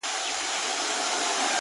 • څه لېونۍ شاني گناه مي په سجده کي وکړه؛